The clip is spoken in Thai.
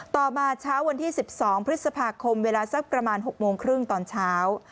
ต่อมาเช้าวันที่๑๒พฤษภาคมเวลาสักประมาณ๖โมงครึ่งตอนเช้า